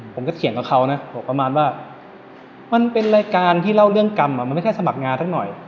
เถียงกับเขานะบอกประมาณว่ามันเป็นรายการที่เล่าเรื่องกรรมมันไม่ใช่สมัครงานสักหน่อย